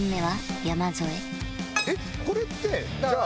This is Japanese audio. えっこれってじゃあ。